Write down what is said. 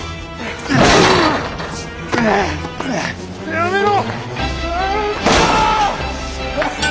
やめろ！